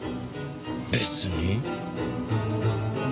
別に。